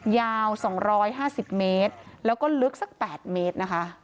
ยาวสองร้อยห้าสิบเมตรแล้วก็ลึกสักแปดเมตรนะคะ